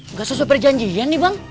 nggak sesuai perjanjian nih bang